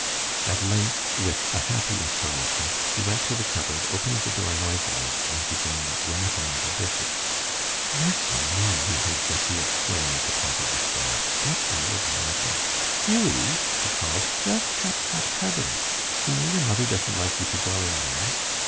At length, with a happy inspiration, he went to the cupboard, opened the door noisily, and began rattling the dishes. "Mercy me!" he heard Jessie exclaim at the top of the stair. "That boy will be my death. Hughie," she called, "just shut that cupboard! You know your mother doesn't like you to go in there."